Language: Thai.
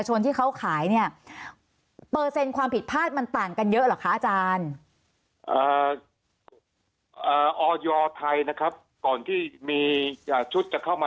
หลายแห่งเลยนะครับ